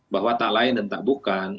bahwa tak lain dan tak bukan